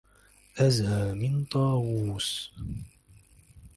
أزهى من طاووس